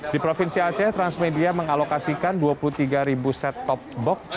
di provinsi aceh transmedia mengalokasikan dua puluh tiga set top box